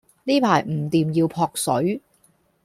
呢排唔掂要撲水